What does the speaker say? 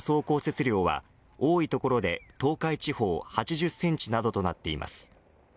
降雪量は多い所で東海地方８０センチなどとなっています。